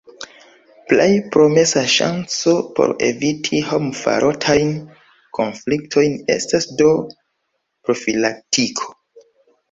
Plej promesa ŝanco por eviti homfarotajn konfliktojn estas do profilaktiko.